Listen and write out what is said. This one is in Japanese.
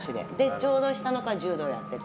ちょうど下の子は柔道やってて。